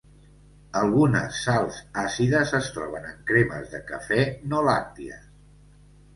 Algunes sals àcides es troben en cremes de cafè no làcties.